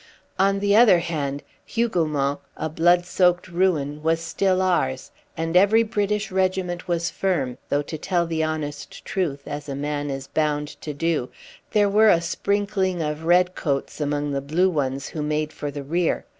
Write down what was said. On the other hand, Hougoumont, a blood soaked ruin, was still ours, and every British regiment was firm; though, to tell the honest truth, as a man is bound to do, there were a sprinkling of red coats among the blue ones who made for the rear.